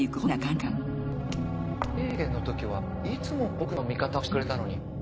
科警研のときはいつも僕の味方をしてくれたのに。